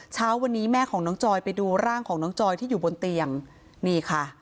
เช้าวันนี้แม่ของน้องจอยไปดูร่างของน้องจอยที่อยู่บนเตียงนี่ค่ะ